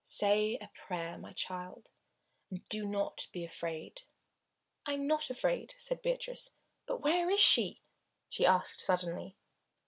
Say a prayer, my child, and do not be afraid." "I am not afraid," said Beatrice. "But where is she?" she asked suddenly.